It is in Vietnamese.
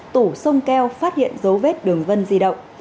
tủ sông keo phát hiện dấu vết đường vân di động